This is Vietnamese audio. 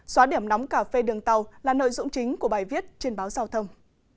xóa điểm nóng cà phê đường tàu là nội dung chính của bài viết trên báo giao thông